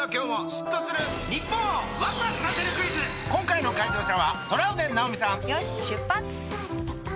今回の解答者はトラウデン直美さんよし出発！